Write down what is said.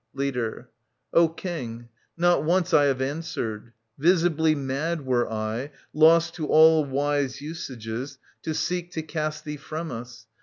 Leader. O King, not once I have answered. Visibly Mad were I, lost to all wise usages, To seek to cast thee from us.